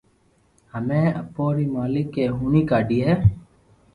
ھمي اپو ري مالڪ اي ھوڻي ڪاڌي ھي